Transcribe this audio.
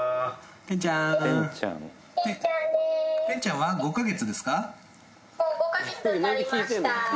天ちゃんは５か月ですか？